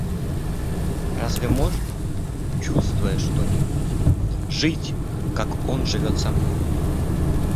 Разве можно, чувствуя что-нибудь, жить, как он живет со мной?